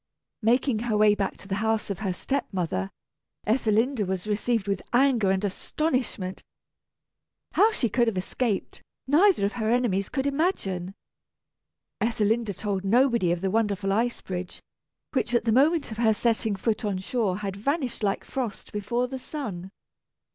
Making her way back to the house of her step mother, Ethelinda was received with anger and astonishment. How she could have escaped, neither of her enemies could imagine. Ethelinda told nobody of the wonderful ice bridge, which at the moment of her setting foot on shore had vanished like frost before the sun.